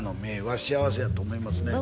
郁は幸せやと思いますね